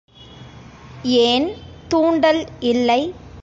ஏன் தூண்டல் இல்லை!